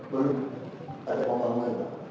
belum ada pembangunan